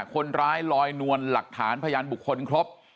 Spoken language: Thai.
คนร้ายลอยนวลหลักฐานพยานบุคคลครบ